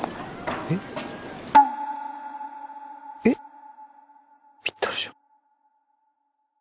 えっぴったりじゃん。